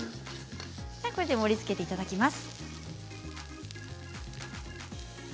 盛りつけていただきます。